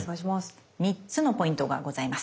３つのポイントがございます。